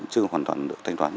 chưa hoàn toàn được thanh toán